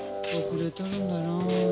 遅れとるんだな。